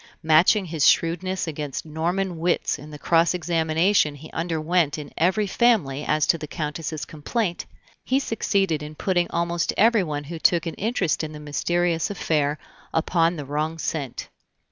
Matching his shrewdness against Norman wits in the cross examination he underwent in every family as to the Countess's complaint, he succeeded in putting almost everyone who took an interest in the mysterious affair upon the wrong scent.